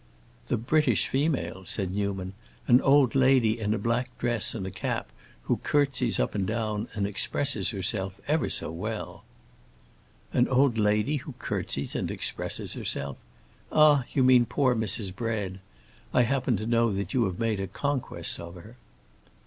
"The British female!" said Newman. "An old lady in a black dress and a cap, who curtsies up and down, and expresses herself ever so well." "An old lady who curtsies and expresses herself?... Ah, you mean poor Mrs. Bread. I happen to know that you have made a conquest of her."